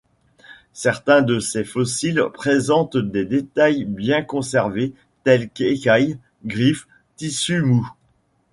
Certains de ces fossiles présentent des détails bien conservés tels qu’écailles, griffes, tissus mous.